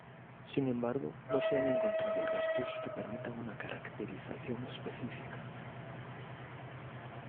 Sin embargo, no se han encontrado restos que permitan una caracterización específica.